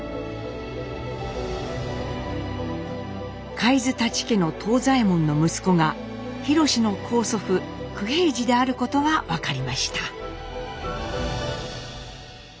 海津舘家の藤左衛門の息子がひろしの高祖父九平治であることが分かりました。